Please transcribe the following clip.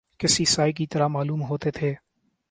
کسی سائے کی طرح معلوم ہوتے تھے